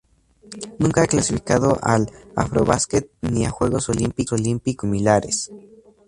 Nunca ha clasificado al Afrobasket ni a Juegos Olímpicos o similares.